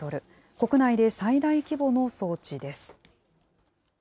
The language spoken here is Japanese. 国内で最大規模の装置です。